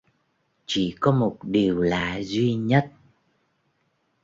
Chỉ có một điều lạ duy nhất